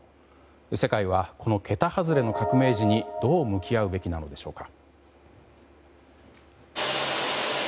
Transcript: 世界はこの桁外れの革命児にどう向き合うべきなのでしょうか。